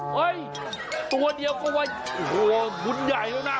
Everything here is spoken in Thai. ตัวเดียวก็ว่าโอ้โหบุญใหญ่แล้วนะ